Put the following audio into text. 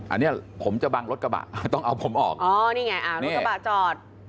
อันนี้ผมจะบังรถกระบะต้องเอาผมออกอ๋อนี่ไงอ่ารถกระบะจอด